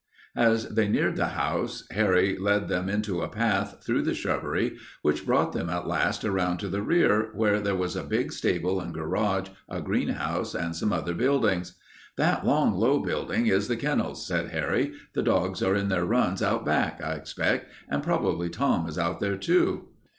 As they neared the house, Harry led them into a path through the shrubbery which brought them at last around to the rear, where there was a big stable and garage, a greenhouse, and some other buildings. "That long low building is the kennels," said Harry. "The dogs are in their runs out back, I expect, and prob'ly Tom is out there, too."